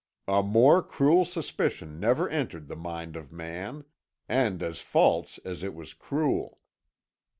"A more cruel suspicion never entered the mind of man, and as false as it was cruel.